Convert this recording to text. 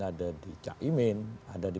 ada di cak imin ada di